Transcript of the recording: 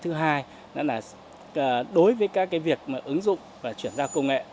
thứ hai là đối với các việc ứng dụng và chuyển ra công nghệ